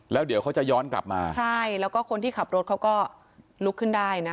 แล้วเดี๋ยวเขาจะย้อนกลับมาใช่แล้วก็คนที่ขับรถเขาก็ลุกขึ้นได้นะคะ